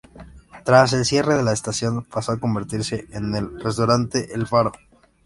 Tras el cierre de la estación, pasó a convertirse en el restaurante El Faro.